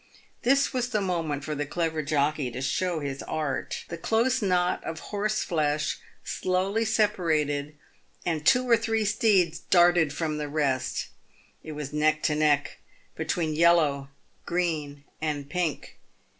This was the moment for the clever jockey to show his art. The close knot of horseflesh slowly separated and two or three steeds darted from the rest. It was neck to neck between Yellow, Green, and Pink.